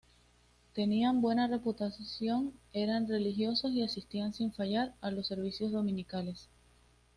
Tenían buena reputación, eran religiosos y asistían sin fallar a los servicios dominicales.